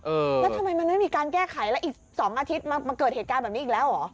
แล้วทำไมมันไม่มีการแก้ไขแล้วอีก๒อาทิตย์มาเกิดเหตุการณ์แบบนี้อีกแล้วเหรอ